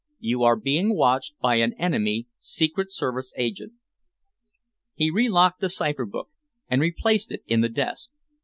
"'You are being watched by an enemy secret service agent.'" He relocked the cipher book and replaced it in the desk.